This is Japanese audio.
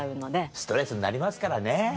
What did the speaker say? ストレスになりますからね。ねぇ。